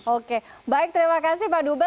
oke baik terima kasih pak dube